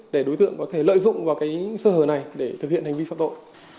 để đối tượng có thể lợi dụng vào cái sơ hở này để thực hiện hành vi phạm tội